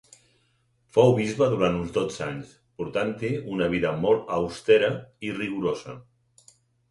Fou bisbe durant uns dotze anys, portant-hi una vida molt austera i rigorosa.